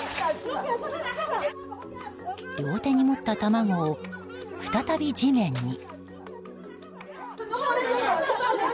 両手に持った卵を再び地面に。